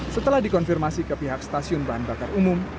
setelah dikonfirmasi ke pihak stasiun bahan bakar umum